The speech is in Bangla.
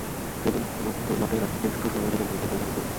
সেদিন মাতেরাজ্জিকে ঢুস মারা জিদান বলেছেন, ক্ষমা চাওয়ার প্রশ্নই ওঠে না।